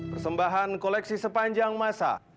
persembahan koleksi sepanjang masa